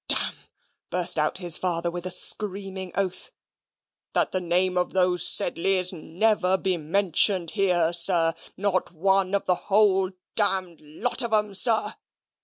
"!" burst out his father with a screaming oath "that the name of those Sedleys never be mentioned here, sir not one of the whole damned lot of 'em, sir."